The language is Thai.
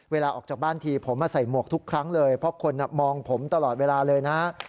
เวลาออกจากบ้านทีผมใส่หมวกทุกครั้งเลยเพราะคนมองผมตลอดเวลาเลยนะ